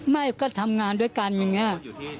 ไม่ก็ทำงานด้วยกันอย่างนี้